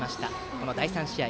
この第３試合。